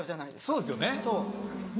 そうですよねそう。